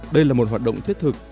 đây là một hoạt động thiết thực